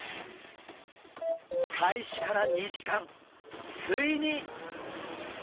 開始から２時間ついに！